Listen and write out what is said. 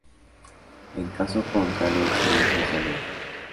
En caso contrario el silencio es salud.